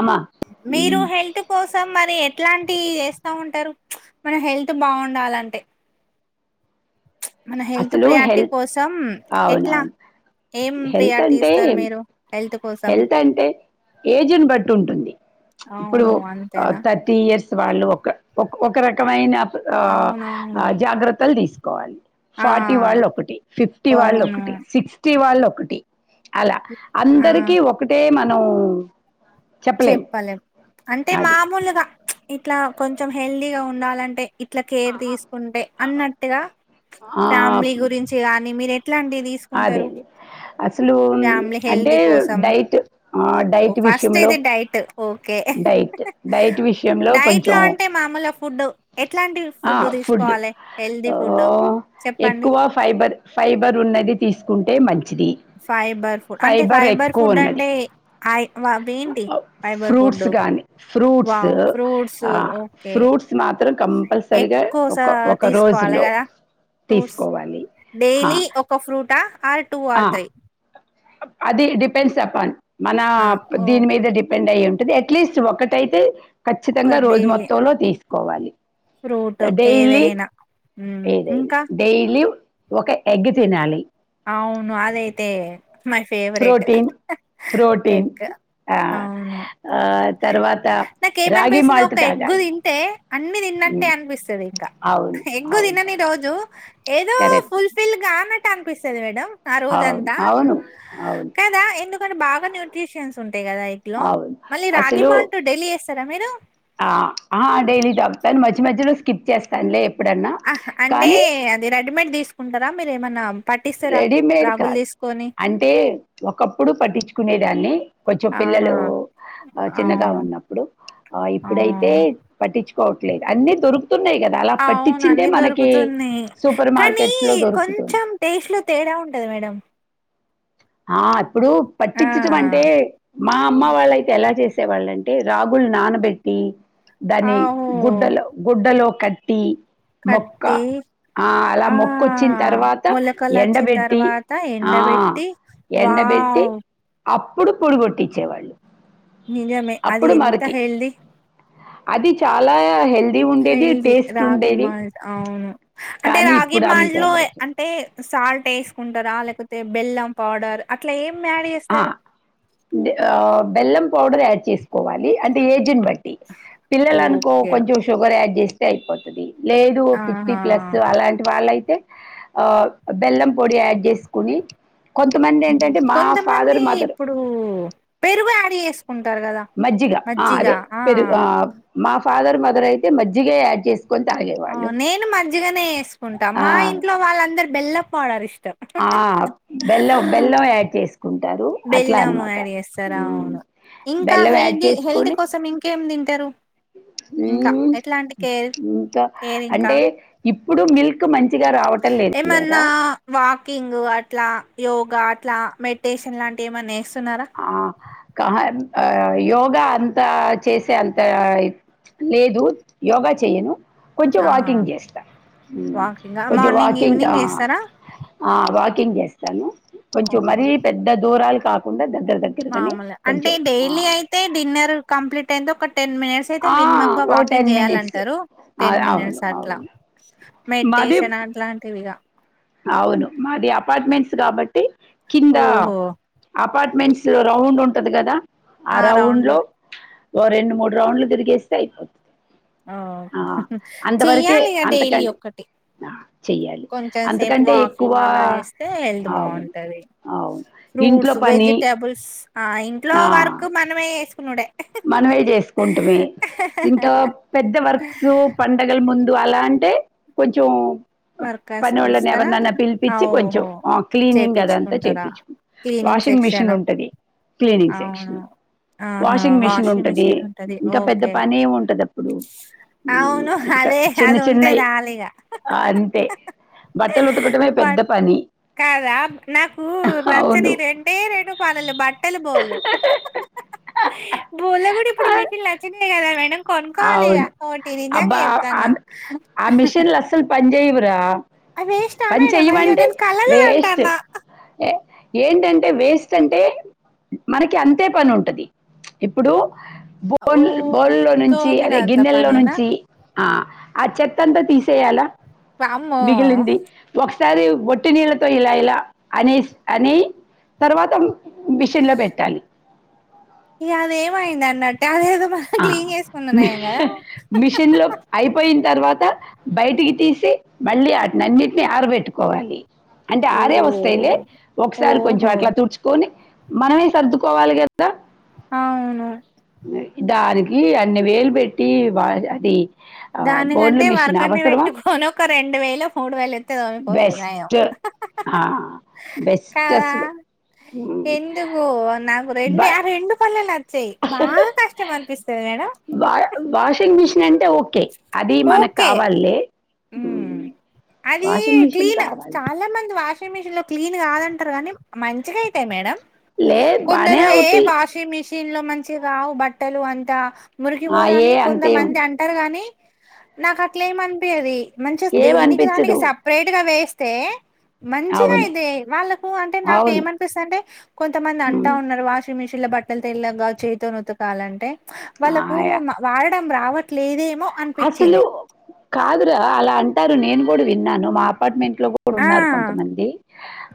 అమ్మా మీరు ఉమ్, హెల్త్ కోసం మరి ఎ ఇట్లాంటి చేస్తా ఉంటారు మన హెల్త్ బావుండాలంటే మన హెల్త్ అసలు ప్రియారిటీ హెల్త్ కోసం ఎట్లా అవునవును. ఏం హెల్త్ ప్రియారిటీ అంటే ఇస్తారు మీరు హెల్త్ కోసం ఏజ్ ని బట్టి ఉంటుంది ఇప్పుడు ఓహో అంతేనా థర్టీ ఇయర్స్ వాళ్ళు ఒక ఒక రకమైన ఆ అవునవును జాగ్రత్తలు తీసుకోవాలి ఆ ఫార్టీ వాళ్ళు ఒకటి ఫిఫ్టీ వాళ్ళు అవును ఒకటి సిక్స్టీ వాళ్ళు ఒకటి అలా ఆ అందరికీ ఒకటే మనం చెప్పలేం అంటే అది. మామూలుగా ఇట్లా కొంచెం హెల్తీగా ఉండాలంటే ఇట్లా కేర్ తీసుకుంటే అన్నట్టుగా ఆహ్, ఫ్యామిలీ గురించి గాని మీరు ఎట్లాంటి తీసుకుంటారు అదేలే. అసలు ఫ్యామిలీ అంటే హెల్తీ కోసం డైట్ ఓ డైట్ విషయం ఫస్ట్ లో ఇది డైట్ ఓకే డైట్ డైట్ విషయంలో డైట్ లో కొంచెం అంటే మామూలు ఫుడ్ ఎట్లాంటి ఆ ఫుడ్ తీసుకోవాలి హెల్దీ ఫుడ్ హ్ చెప్పండి ఎక్కువ ఫైబర్ ఫైబర్ ఉన్నది తీసుకుంటే మంచిది ఫైబర్ ఫుడ్ అంటే ఫైబర్ ఎక్కువ ఫుడ్ ఉన్నది అంటే ఏంటి ఫైబర్ ఫుడ్ ఫ్రూట్స్ కానీ ఫ్రూట్స్ వావ్ ఫ్రూట్సు ఆ ఓకే ఫ్రూట్స్ మాత్రం కంపల్సరిగా ఎక్కువస ఒక ఒక తీసుకోవాలే రోజులో కదా ఫ్రూట్స్ తీసుకోవాలి హా డైలీ ఒక ఫ్రూటా ఆర్ టూ ఆ ఆర్ త్రీ అది డిపెండ్స్ అపాన్ మన దీని ఓకే మీద డిపెండ్ అయ్య ఉంటుంది అ అట్లీస్ట్ ఒకటైతే ఒక ఖచ్చితంగా రోజు డైలీ మొత్తంలో తీసుకోవాలి ఫ్రూట్ డైలీ ఏదైనా ఉమ్, ఏదైనా ఇంకా డైలీ ఒక ఎగ్ తినాలి అవును అదైతే my favourite protein protein egg ఆ, అవును ఆ, తర్వాత రాగి నాకేమనిపిస్తుంద మాల్ట్ ఒక ఎగ్గు తాగాలి తింటే అన్ని తిన్నట్టే ఉమ్, అనిపిస్తది ఇంకా అవును ఎగ్ అవును తినని రోజు ఏదో కరెక్ట్ ఫుల్ ఫిల్ గాన అనిపిస్తది మేడం ఆ అవును రోజంతా అవును అవును కాదా ఎందుకంటే బా న్యూట్రిషిన్స్ ఉంటాయి కదా ఇట్ లో అవును మళ్ళీ రాగి మాల్ట్ డైలీ చేస్తారా మీరు ఆ ఆ డైలీ తాగుతాను మధ్య మధ్యలో స్కిప్ చేస్తాను లే ఆ అంటే అది రెడీమేడ్ తీసుకుంటారా మీరు ఏమన్నా పట్టిస్తారా రెడీమేడ్ రాగులు కాదు తీసుకొని అంటే ఒకప్పుడు పట్టించుకునేదాన్ని కొంచెం ఆహా పిల్లలు ఆ చిన్నగా ఉన్నప్పుడు ఆ ఇప్పుడైతే పట్టించు కోవట్లేదు అన్ని దొరు అవును అన్నిీ దొరుకుతున్నాయి సూపర్ కానీ మార్కెట్స్ లో దొరుకుతుంది కొంచెం టేస్ట్లు తేడా ఉంటది మేడం ఆ ఇప్పుడు ఆ పట్టించటం అంటే మా అమ్మ వాళ్ళయితే ఎలా చేస్త వాళ్ళంటే రాగులు నానబెట్టి దాని ఆహో గుడ్డలో గుడ్డలో కటి కటి ఆ అలా మొక్కొచ్చిన తర్వాత మొలకలొచ్చిన ఎండబెట్టి తర్వాత ఆ ఎండబెట్టి ఎండబెట్టి వావ్ అప్పుడు పొడిగొట్టించేవాళ్ళు నిజమే అది ఎంత హెల్తీ అది చాలా హెల్త్ హెల్దీ రాగి మాల్ట్ అవును అంటే కానీ రాగి ఇప్పుడు అంత మాల్ట్ లో ఎవరు చే- అంటే సాల్ట్ వేసుకుంటారా లేకపోతే బెల్లం పౌడర్ అట్లా ఏ ఆ బెల్లం పౌడర్ యాడ్ చేసుకోవాలి అంటే ఏజెన్సీ బట్టి పిల్లలు అనుకో ఓకే కొంచెం షుగర్ యాడ్జెస్ట్ అయిపోతది లేదు ఓ ఫిఫ్టీ ఆహా ప్లస్ అలాంటి వాళ్ళైతే ఆ బెల్లం పొడి యాడ్ చేసుకుని కొంతమంది హ్మ్. ఏంటంటే మా కొంతమంది ఫాదర్ మదర్ ఇప్పుడు పెరుగు యాడ్ చేస్త మజ్జిగ ఆ అదే పెరుగు ఆ మా ఫాదర్ మదర్ అయితే మజ్జిగ యాడ్ చేస్త నేను మజ్జగనే వేసుకుంటా ఆ, మా ఇంట్లో వాళ్ళందరరు బెల్లపాడర్ ఇష్టం ఆ బెల్లం బెల్లం యాడ్ చేసుకుంట అంటారు అట్లా బెల్లం అనమాట యాడ్ చేస్తారు అవును ఇంకా బెల్లం యాడ్ హెల్దీ హెల్త్ చేసుకొని కోసం ఇంకేం తింటారు ఇంకా ఎట్లాంటి కేర్ ఇంకా కేర్ ఇంకా అంటే ఇప్పుడు మిల్క్ మంచి గా రావటం లేదు లేరా కుకింగ్ అట్లా యోగా అట్లా మెడిటేషన్ లాంటి ఏమన్న ఆ ఆ యోగా అంతా చేసే అంత లేదు యోగా చెయ్యను కొంచెం ఆహా వాకింగ్ చేస్తా వాకింగ్ కొంచెం మార్నింగ్ వాకింగ్ ఈవినింగ్ వేస్తారా ఆ వాకింగ్ చేస్తాను కొంచెం ఓహో మరీ పెద్ద దూరాలు కాకుండా దా మామూలు అంటే డైలీ అయితే డిన్నర్ కంప్లీట్ అయిది ఒక టెన్ మినిట్స్ అయితే ఆ మినిమమ్ ఓ వాకింగ్ టెన్ మినిట్స్ చేయాలంటారు ఆ! టెన్ అవును మినిట్స్ అట్లా అవును మాది మెడిటేషన్ అట్లాంటివిగా అవును మాది అపార్ట్మెంట్స్ కాబట్టి కింద ఓహో అపార్ట్మెంట్స్ రౌండ్ ఉంటది కదా ఆ రౌండ్ లో ఓ రెండు మూడు రౌండ్లు తిరిగేస్తే అయిపోతది ఓ ఆ అంతవరకే చెయ్యాలి ఇగ అంతకం డైలీ చెయ్యాలి కొ సేపు అంతకంటే ఎక్కువ వాకింగ్ అలా చేస్తే హెల్త్ అవును బాగుంటది అవును ఫ్రూట్స్ ఇంట్లో పని వెజిటేబుల్స్ ఆ ఇంట్లో వర్క్ మనమే వేసుకునుడే చే ఇంకా పెద్ద వక్ పండగల ము ముందు అలా అంటే కొంచెం వర్కర్స్ కు వాళ్ళని ఇస్తారా ఎవరినైనా పిలిపించి కొంచెం ఓహో క్లీనింగ్ అదంతా చేపిచ్చుకుంటారా చేయిించు క్లీనింగ్ వాషింగ్ మిషిన్ సెక్షన్ ఉంటది క్లీనింగ్ అవును సెక్షన్ ఆహా వాషింగ్ మెషిన్ ఉంటది మిషిన్ ఉంటది ఇంకా పెద్ద ఓకే పని ఉంటది అప్పుడు మ్, అవును ఇంకా అదే చిన్న అది ఉంటే చిన్నవి చాలు ఇగ అంతే బట్టలు ఉతకటమే పెద్ద పని కాదా నాకు నచ్చని అవును రెండే రెండు పనులు బట్టలు బోలు బోల కూడా ఇప్పుడు ఆ, మిటిన్ అచినయి కదా మేడం కొనుకోవాలిగా అవును టి నిజంగా అబ్బా చెప్తాన్నా చెయవురా పని అయ్యో! చెయవంటే నేను కళ్ళలో వేస్ట్ అంటాన్నా. ఏంటంటే వేస్ట్ అంటే మనకి అంతే పని ఉంటుంది ఇప్పుడు బోన్ ఓహో! బోన్ లో నుంచి అదే తోమినంత గిన్నెల్లో పనేనా? నుంచి ఆ ఆ చెత్తంతా తీసేయాలా వామ్మో! మిగిలింది ఒక ఒకసారి ఒట్టి నీళ్ళతో ఇలా ఇలా అని అని తర్వాత మిషన్ లో పెట్టాలి ఇ అదేమైంద అన్నట్టే అదే ఆ మిషన్ లో అయిపోయిన తర్వాత త బయటికి తీసి మళ్ళీ వాటిని అన్నిటినీ ఆరబెట్టుకోవాలి అంటే ఆరే వస్తాలే ఓహ్! ఒకసారి కొంచెం ఓహో! అట్లా తుడుచుకొని మనమే సర్దుకోవాలి కదా ఆవును దానికి అన్ని వేలు పెట్టి అది ఆ, బోర్డుల దానికంటే మిషన్ వర్కన్ని అవసరమా పెట్టుకొని ఒక రెండు వేలు మూడు వేలు ఎ పోతే న్యాయం బెస్ట్ బెస్ట్ కాదా అసలు ఉమ్, ఎందుకు నాకు రెండు బ- ఆ రెండు పళ్లలు నచ్చాయ్ బాగా కష్టం అనిపిస్తుంది మేడం వా వాషింగ్ మిషిన్ అంటే ఓకే అది మనకు కావాల్లే ఉ అది మిషన్ క్లీన్ కావాలి చాలా మంది వాషింగ్ మిషన్ లో క్లీన్ కాదంటారు కానీ మంచిగాయితాయి మేడం లేదు బానే కొందరు ఏ అవుతాయి వాషింగ్ మిషన్ చీన్ లో మంచిగావు బట్టలు అంతా ఆ మురికిపోదు ఏ అని అంతే కొంతమంది ఉంది అంటారు గాని నాకు అట్లా ఏమ అనిపియది మంచి దేనికి దానికి ఏమనిపించదు సపరేట్ గా వేస్త స్తే మంచిగా అవును ఐతాయి వాళ్ళకు అంటే నాకు అవును ఏమనిపిస్తుంది అంటే కొంతమంది అంటా ఉమ్, ఉన్నారు వాషింగ్ మిషిన్ ఇల బట్టలు తెల్లగా చేతో ఉతకాలంటే వాళ్ళలకు ఆయా వాడడం రావట్లేదేమో అసలు అనిపించింది కాదురా అలా అంటారు నేను కూడా విన్నాను మా అపార్ట్మెంట్ ఇంట్ లో కూడా ఆ ఉన్నారు కొంతమంది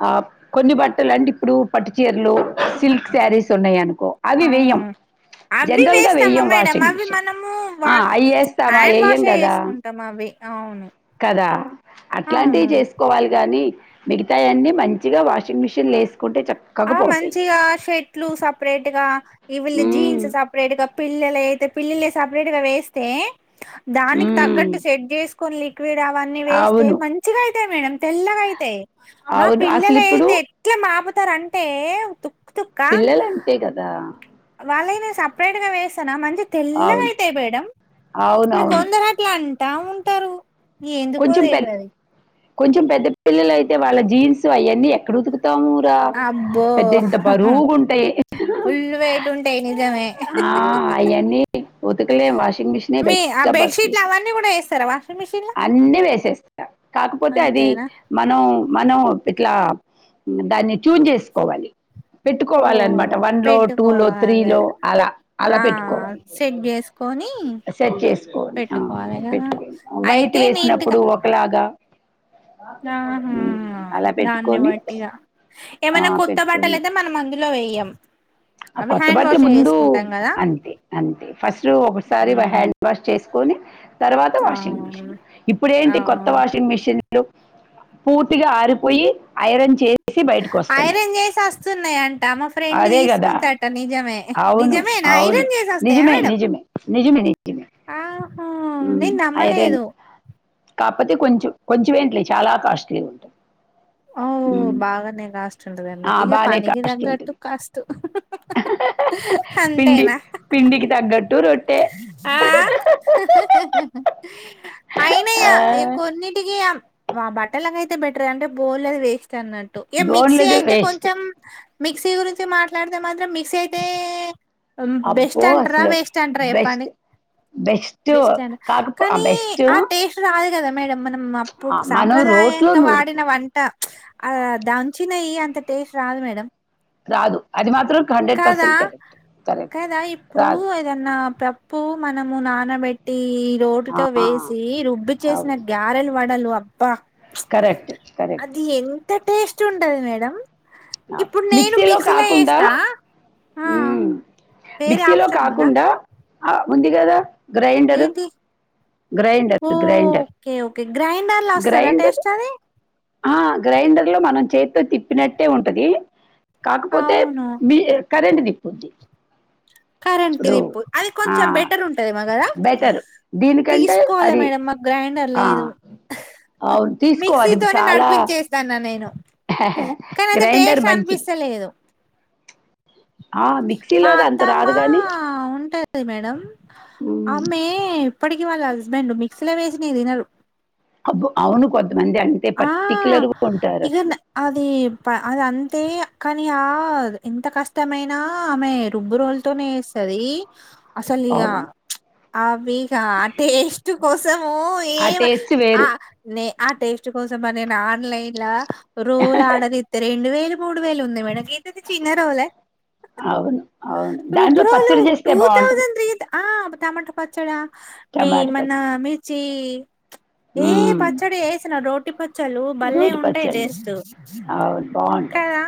ఆ కొన్ని బట్టలు అంటే ఇప్పుడు పట్టుచీరలు సిల్క్ శారీస్ ఉన్నాయనుకొ అవి వెయ్యం అవును అవి జనరల్ గా వేస్తామా వెయ్యం మేడం వాషింగ్ అవి మిషిన్ మనము వాష్ ఐఎస్ స్తవ హ్యాండ్ ఏయం వాషే కదా చేసుకుంటాం అవి అవును కదా అట్లాంటివి అవును చేసుకోవాలి కానీ మిగతాయన్నన్ని మంచిగా వాషింగ్ మిషిన్ లేసు ఆ మంచిగా షర్ట్లు సపరేట్ గా ఈవిళ హ్మ్ జీన్స్ సపరేట్ గా పిల్లల అయితే పిల్లలే సపరేట్ గా వేస్తే దానికి హ్మ్ తగ్గట్టు సెట్ చేసుకొని లిక్విడ్ అవన్నీ వేస్తే అవును మంచిగా అవుతాయి మేడం తెల్లగా అవుతాయి మా అవును పిల్లల అసలు ఇప్పుడు అయితే ఎట్లా మాబ టే తు పిల్లలంతే కదా వాళ్ళైనా సపరేట్ గా వేస్తానా మంచి అవును తెల్లగైతాయి మేడం అవునవును కొందరాట్లా అంట ఎందుకో కొంచెం పెద్ద తెల్వది కొంచెం పెద్ద పిల్లల అయితే వాళ్ళ జీన్స్ అవన్నీ ఎక్కడ ఉతుకు త్త ఊరా అబ్బో పెద్ద ఇంత బరువుగుంటాయి ఫుల్ వెయిట్ ఉంటాయి నిజమే ఆ అయన్నీ ఊతుకులే వాషింగ్ మిషన్ మీ ఆ బెస్ట్ బసులు బెడ్షీట్లు అవన్నీ కూడా వేస్తారా వాషింగ్ మిషిన్ లో అన్నీ వేసేస్తా కాకపోతే అది అంతేనా మనం మనం ఇట్లా దాన్ని చూజ్ చేసుకోవాలి ఓ పెట్టుకోవాలన్నమాట వన్ లో టూ లో త్రీ పెట్టుకోవాలి లో అలా అలా ఆ పెట్టుకో సెట్ చేసుకొని సెట్ చేసుకొని ఆ పెట్టుకోవాలి కదా పెట్టుకోని వైట్ అయితే నీట్గా వేసినప్పుడు ఒకలాగా ఆహా అలా దాన్ని పెట్టుకొని బట్టిగా ఆ ఏమైనా కొత్త బట్టలు పెట్టుకొని అయితే మనం అందులో వెేయ్యం కొత్త బట్లు ముందు కదా అంతే అంతే ఫస్ట్ ఒకసారి ఉమ్, హ్యాండ్ వాష్ చేసుకొని తర్వాత వాషింగ్ మిషిన్ అవును ఇప్పుడేంటి కొత్త అవును వాషింగ్ మిషిన్ లు పూర్తిగా ఆరిపోయి ఐరన్ చే ఐరన్ చేసి వస్తున్నాయంట మా ఫ్రెండ్ అదే కదా తీసుకుంట నిజమే అవును నిజమే నా అవును ఐరన్ చేసేస్తాయా నిజమే మేడం నిజమే నిజమే నిజమే ఆ నేను ఐరన్ నమ్మలేదు కాకపోతే కొంచెం కొంచెం ఏంటిలే చాలా కాస్ట్లీ ఉంటది ఔ బాగానే కాస్ కూర్చుండద ఆ అన్నట్టు ఇక బాగానే పనికి కాస్ట్ తగ్గట్టు ఉంటుంది కాస్టు అంతేనా ఇంటికి తగ్గట్టు రొట్టె ఆ ఆ, అయినియా ఇ కొన్నిటికి అం మా బట్టలకై యితే బెటర్ అంటే బోర్ అది వేస్ట్ న్నట్టు ఇక మిక్సీ బోన్లది అయితే వేస్ట్ కొంచెం మిక్సీ గురించి మాట్లాడితే మాత్రం మిక్సీ అయితే బెస్ట్ అబ్బో అంటారా అసలు వేస్ట్ ఏం పని బెస్ట్ బెస్ట్ అని కాకపో కానీ బెస్ట్ ఆ టేస్ట్ రావ దు కదా మేడం మనం అప్పుడు మనం రోట్లో సాంప్రదాయంగ నూరుకో వాడిన వంట దంచి న్నాయి అంత టేస్ట్ రాదు మేడం రాదు అది మాత్రం హండ్రెడ్ కాదా పర్సెంట్ కరెక్ట్ కరెక్ట్ కదా ఇప్పుడు రాదు ఏదన్నా ప పు మనము నానబెట్టి ఆ, రోటితో వేసి రుబ్బి చేసిన అవును గారెలు వడలు అబ్బా కరెక్ట్ కరెక్ట్ అది ఎంత టేస్ట్ ఉంటది మేడం ఇప్పుడు నేను మిక్సీలో కాకుండా వేస్తా ఆ మ్.. వేరే మిక్సీలో ఆప్షన్ ఉందా కాకుండా ఆ ఉంది కదా గ్రైండర్ ఏంటి గ్రైండర్ ఓ, గ్రైండర్ ఓకే ఓకే గ్రైండర్లా వస్తదా గ్రైండర్ టేస్ట్ అది ఆ గ్రైండర్ లో మనం చేతితో తిప్పినట్టే ఉంటది కాకపోతే అవును బి కరెంట్ తిప్పుద్ది కరెంట్ ఇప్పుడు తిప్పు అది ఆ! కొంచెం బెటర్ ఉంటదే మో కదా బెటర్. దీనికంటే తీసుకోవాలి అది మేడం మాకు గ్రైండర్ ఆ! లేదు అవును. తీసుకో మిక్సీ అది తోనే చాలా నడిపించేస్తాను నేను కానీ అది గ్రైండర్ టేస్ట్ మంచిది అనిపిస్తలేదు ఆ మా మిక్సీలో ద అత్తమ్మ రాదు గాని ఉంటది మేడం మ్ ఆమె ఇప్పటికి వాళ్ళ హస్బెండ్ మిక్సీలో వేసినవి తినరు అబ్బచ అవును కొంతమంది అంటే ఆ పర్టిక్యులర్గా ఉంటారు అసలు అదిఅంతే కాని ఆ ఎంత కష్టమైనా ఆమె రుబ్బు రోలుతోనే వేసారు ఈ అసలు ఇగ అవును. ఆ బీగా ఆ టేస్ట్ కోసం ఓ ఏ ఆ వ టేస్ట్ ఆ వేరు. నే ఆ టేస్ట్ కోసమనేను ఆన్లైన్ రోల్ ఆర్డర్ ఇత్తె రెండు వేలు మూడు వేలు ఉంది మేడం ఇంతింత చన్న రోల అవును. అవును. దాంట్లో రుబ్బురోలు పచ్చడి చేస్తే టూ బావుంటది. తౌసండ్ త్రీ అట ఆ.. టమాటా పచ్చడా మీ టమాట మన పచ్చడి. మిర్చి ఏ హ్మ్. పచ్చడి ఏస్ రోటి పచ్చళ్ళు బల్లే రోటి ఉంటయి పచ్చళ్ళు. టేస్టు అవును బాగుంటాయి కదా